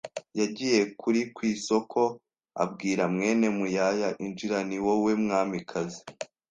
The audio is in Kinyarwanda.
Yagiye kuri kwisoko Abwira mwene Muyaya Injira ni wowe mwamikazi”.